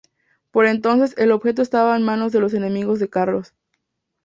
Por entonces, el objeto estaba en manos de los enemigos de Carlos.